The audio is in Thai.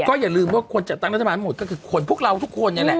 ก็อย่าลืมว่าคนจัดตั้งรัฐบาลหมดก็คือคนพวกเราทุกคนนี่แหละ